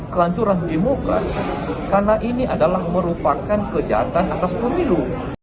kelancuran demokrasi karena ini adalah merupakan kejahatan atas pemilu